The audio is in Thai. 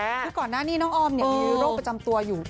คือก่อนหน้านี้น้องออมมีโรคประจำตัวอยู่